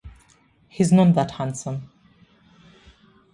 He's not that handsome.